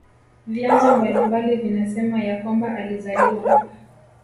Vyanzo mbalimbali vinasema ya kwamba alizaliwa